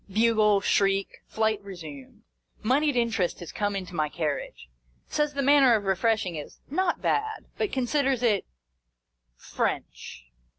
Bugle, shriek, flight resumed. Monied In terest has come into my carriage. Says the manner of refreshing is " not bad," but con siders it French.